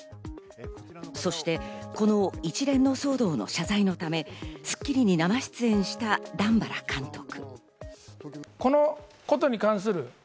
そしてこの一連の騒動の謝罪のため『スッキリ』に生出演した段原監督。